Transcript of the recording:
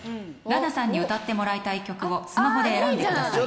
裸奈さんに歌ってもらいたい曲をスマホで選んでください。